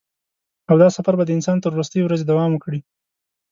او دا سفر به د انسان تر وروستۍ ورځې دوام وکړي.